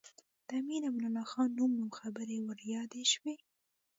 د امیر امان الله خان نوم او خبرې ور یادې شوې.